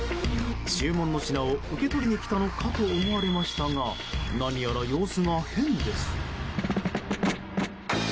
注文の品を受け取りに来たのかと思われましたが何やら様子が変です。